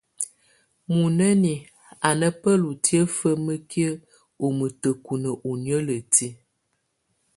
Muinǝ́niǝ́ á ná bǝ́lutiǝ́ fǝ́mǝ́kiǝ́ ú mǝ́tǝ́kunǝ́ ú niǝ́lǝ́ti.